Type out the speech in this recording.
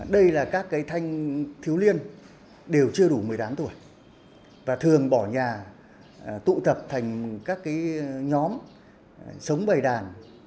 đây là các thanh thiếu niên đều chưa đủ một mươi tám tuổi và thường bỏ nhà tụ tập thành các nhóm sống bày đàn